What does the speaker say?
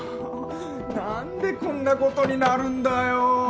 なんでこんなことになるんだよ。